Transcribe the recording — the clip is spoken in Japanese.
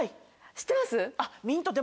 知ってます？後で。